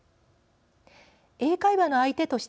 英会話の相手として使う。